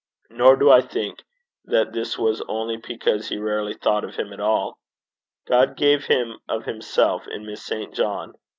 Nor do I think that this was only because he rarely thought of him at all: God gave him of himself in Miss St. John.